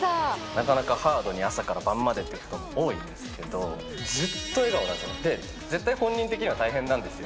なかなかハードに朝から晩までって仕事が多いですけど、ずっと笑顔なんで、絶対本人的には大変なんですよ。